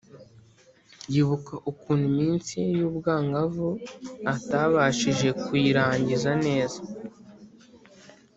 yibuka ukuntu iminsi ye y’ubwangavu atabashije kuyirangiza neza,